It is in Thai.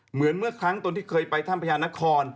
เหมือนเมื่อครั้งตนที่เคยไปถ้ำพญานคร